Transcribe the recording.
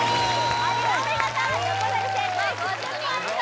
お見事横取り成功５０ポイント！